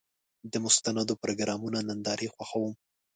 زه د مستندو پروګرامونو نندارې خوښوم.